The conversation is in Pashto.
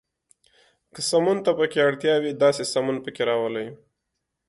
که سمون ته پکې اړتیا وي، داسې سمون پکې راولئ.